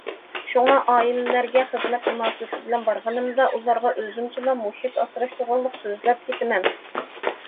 شۇڭا، ئائىلىلەرگە خىزمەت مۇناسىۋىتى بىلەن بارغىنىمدا ئۇلارغا ئۆزۈمچىلا مۇھىت ئاسراش توغرىلىق سۆزلەپ كېتىمەن.